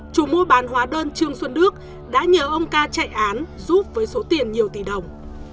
chủ mua bán hóa đơn trương xuân đức đã nhờ ông ca chạy án giúp với số tiền nhiều tỷ đồng